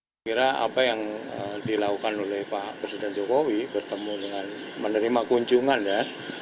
saya kira apa yang dilakukan oleh pak presiden jokowi bertemu dengan menerima kunjungan ya